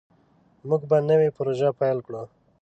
موږ به نوې پروژه پیل کړو.